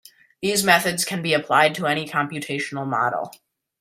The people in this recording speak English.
These methods can be applied to any computational model.